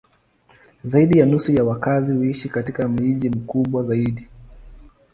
Zaidi ya nusu ya wakazi huishi katika miji mikubwa zaidi.